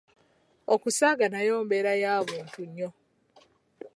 Okusaaga nayo mbeera ya buntu nnyo.